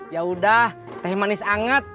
yaudah teh manis anget